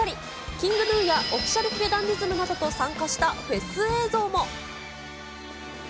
ＫｉｎｇＧｎｕや、オフィシャル髭男ｄｉｓｍなどと参加したフェス映像も。